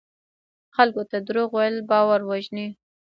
خلکو ته دروغ ویل باور وژني.